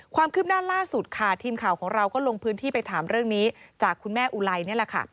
ความคืบหน้าล่าสุดค่ะทีมข่าวของเราก็ลงพื้นที่ไปถามเรื่องนี้จากคุณแม่อุไลนี่แหละค่ะ